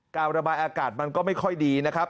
การระบายอากาศมันก็ไม่ค่อยดีนะครับ